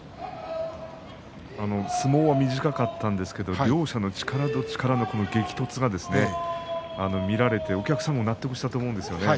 相撲は短かったんですけど両者の力と力の激突が見られてお客さんも納得したと思うんですよね。